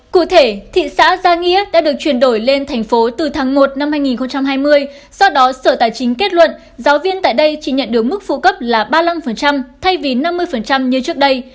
cụ thể thị xã gia nghĩa đã được chuyển đổi lên thành phố từ tháng một năm hai nghìn hai mươi sau đó sở tài chính kết luận giáo viên tại đây chỉ nhận được mức phụ cấp là ba mươi năm thay vì năm mươi như trước đây